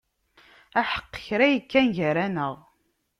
Aḥeq kra yekkan gar-aneɣ.